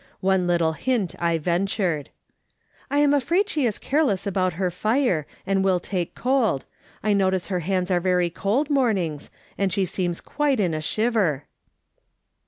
One little hint I ventured :" I am afraid she is careless about her iire, and will take cold ; I notice her hands are very cold mornings, and she seems quite in a shiver."